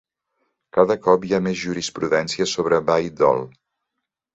Cada cop hi ha més jurisprudència sobre Bayh-Dole.